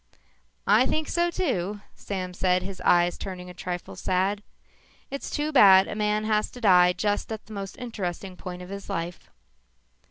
"I think so too," Sam said, his eyes turning a trifle sad. "It's too bad a man has to die just at the most interesting point of his life."